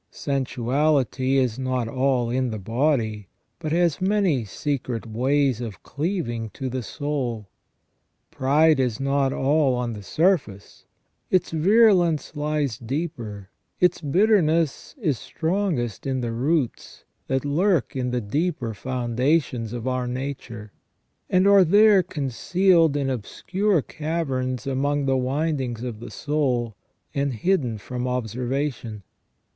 Sensu ality is not all in the body, but has many secret ways of cleaving to the soul. Pride is not all on the surface, its virulence lies deeper, its bitterness is strongest in the roots, that lurk in the deeper foundations of our nature, and are there concealed in obscure caverns among the windings of the soul, and hidden from observation.